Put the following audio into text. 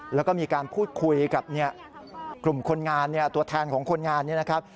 แล้วก็มีการพูดคุยกับกลุ่มคนงานเนี่ยตัวแทนของคนงานเนี่ยนะครับ